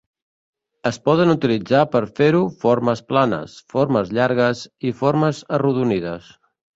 Es poden utilitzar per fer-ho formes planes, formes llargues i formes arrodonides.